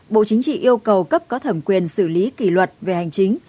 bộ chính trị yêu cầu cấp có thẩm quyền xử lý kỷ luật về hành chính